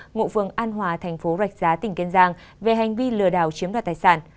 ngụ phường an hòa tp rạch giá tp thái bình về hành vi lừa đảo chiếm đoạt tài sản